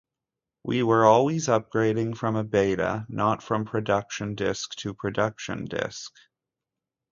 We were always upgrading from a beta, not from production disk to production disk.